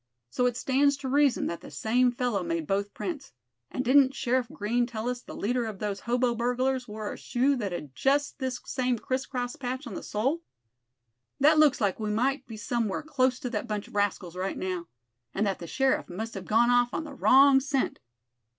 So it stands to reason that the same fellow made both prints. And didn't Sheriff Green tell us the leader of those hobo burglars wore a shoe that had just this same criss cross patch on the sole? That looks like we might be somewhere close to that bunch of rascals right now; and that the sheriff must have gone off on the wrong scent."